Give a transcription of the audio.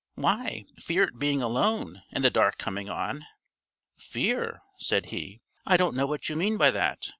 "Why, fear at being alone, and the dark coming on." "Fear," said he, "I don't know what you mean by that.